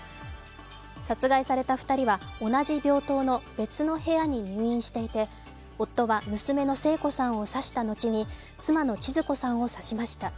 殺害された２人は同じ病棟の別の部屋に入院していて夫は娘の聖子さんを刺した後に妻のちづ子さんも刺しました。